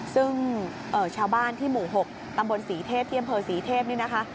ซึ่งชาวบ้านที่หมู่หกตำบลสีเทพเที่ยมเผลอสีเทพนี่นะคะ